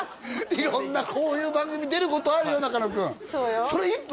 色んなこういう番組出ることあるよ仲野君それ１本？